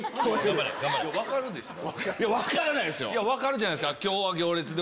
分かるじゃないですか。